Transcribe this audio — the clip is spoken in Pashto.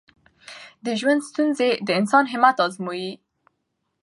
د ژوند ستونزې د انسان همت ازمويي.